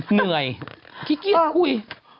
เหนื่อยขี้เกียจคุย